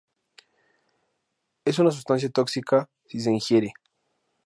Es una sustancia tóxica si se ingiere.